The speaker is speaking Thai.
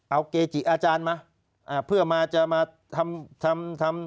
เอาเกจิอาจารย์มาเพื่อมาจะมาทำพระออกพระ